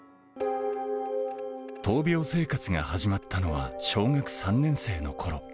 闘病生活が始まったのは小学３年生のころ。